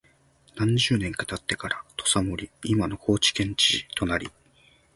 何十年か経ってから土佐守（いまの高知県知事）となり、